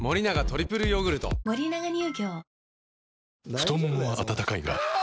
太ももは温かいがあ！